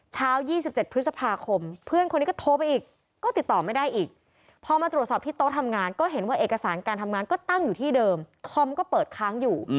เช้า๒๗พฤษภาคมเพื่อนคนนี้ก็โทรไปอีกก็ติดต่อไม่ได้อีกพอมาตรวจสอบที่โต๊ะทำงานก็เห็นว่าเอกสารการทำงานก็ตั้งอยู่ที่เดิมคอมก็เปิดค้างอยู่